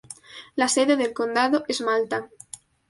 La sede del condado es Malta.